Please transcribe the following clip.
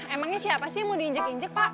emangnya siapa sih yang mau diinjek injek pak